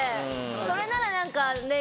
それなら何かね